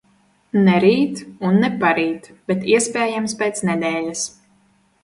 Ne rīt un ne parīt, bet, iespējams, pēc nedēļas.